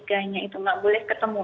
keluarganya itu nggak boleh ketemu